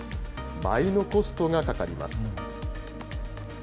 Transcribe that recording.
倍のコストがかかります。